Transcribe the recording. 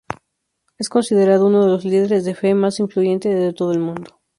Es considerado uno de los líderes de Fe más influyentes de todo el mundo.